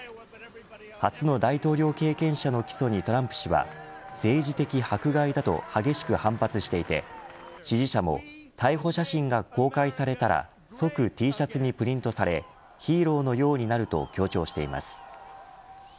初の大統領経験者の起訴にトランプ氏は政治的迫害だと激しく反発していて支持者も逮捕写真が公開されたら即、Ｔシャツにプリントされヒーローのようになると強調しています。